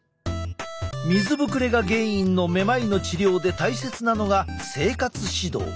水ぶくれが原因のめまいの治療で大切なのが生活指導。